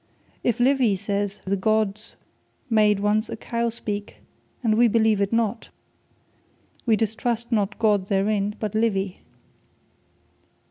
If Livy say the Gods made once a Cow speak, and we believe it not; wee distrust not God therein, but Livy.